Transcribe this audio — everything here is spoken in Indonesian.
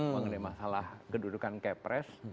mengenai masalah kedudukan kepres